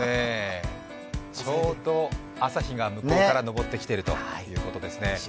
ちょうど朝日が向こうから昇ってきているということですね。